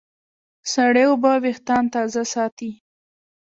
سړې اوبه وېښتيان تازه ساتي.